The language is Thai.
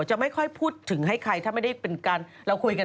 จะไม่ค่อยพูดถึงให้ใครถ้าไม่ได้เป็นการเราคุยกัน